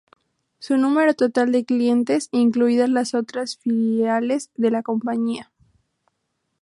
Su número total de clientes, incluidas las otras filiales de la compañía.